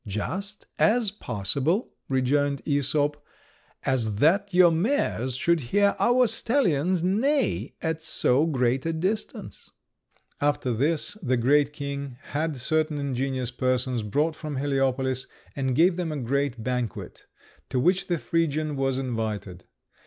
"Just as possible," rejoined Æsop, "as that your mares should hear our stallions neigh at so great a distance." After this the king had certain ingenious persons brought from Heliopolis, and gave them a great banquet, to which the Phrygian was invited.